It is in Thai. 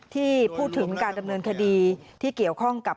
ที่พูดถึงการดำเนินคดีที่เกี่ยวข้องกับ